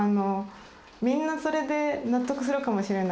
みんなそれで納得するかもしれない。